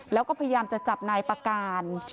แล้วก็พยายามจะจับนายประการ